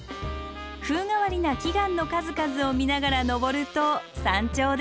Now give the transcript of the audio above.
風変わりな奇岩の数々を見ながら登ると山頂です。